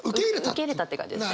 受け入れたって感じですね。